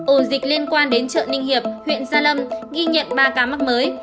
ổ dịch liên quan đến chợ ninh hiệp huyện gia lâm ghi nhận ba ca mắc mới